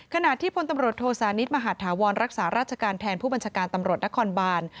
ขณะที่พลตำรวจโทสานิทมหาธาวรรักษาราชการแทนผู้บัญชาการตำรวจนครบาน